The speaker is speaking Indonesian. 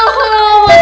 muka aku yang ganteng